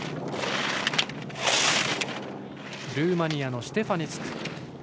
ルーマニアのシュテファネスク。